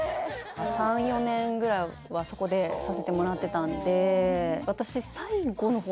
３４年ぐらいはそこでさせてもらってたんで私最後の方